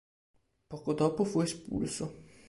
Poco dopo fu espulso.